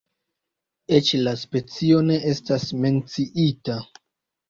Eĉ la specio ne estas menciita.